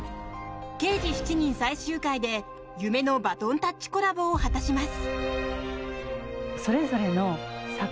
「刑事７人」最終回で夢のバトンタッチコラボを果たします。